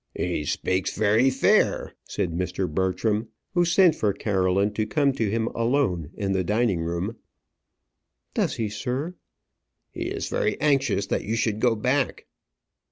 "He speaks very fair," said Mr. Bertram, who sent for Caroline to come to him alone in the dining room. "Does he, sir?" "He is very anxious that you should go back."